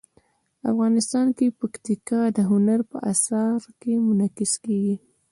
افغانستان کې پکتیکا د هنر په اثار کې منعکس کېږي.